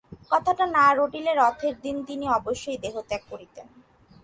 কথাটা না রটিলে রথের দিন তিনি অবশ্যই দেহত্যাগ করিতেন।